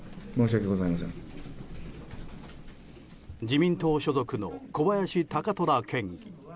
自民党所属の小林貴虎県議。